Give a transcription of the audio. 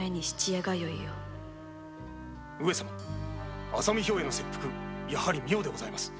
上様浅見兵衛の切腹やはり妙でございます。